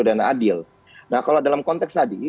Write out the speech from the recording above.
dan adil nah kalau dalam konteks tadi